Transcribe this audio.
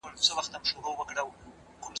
زه به اوږده موده تکړښت کړی وم!؟